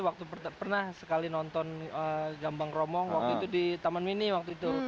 waktu pernah sekali nonton gambang romong waktu itu di taman mini waktu itu